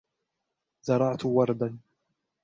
زرعت ورداً.